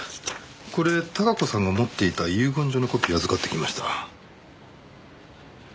これ貴子さんが持っていた遺言状のコピー預かってきました。